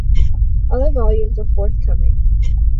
Other volumes are forthcoming.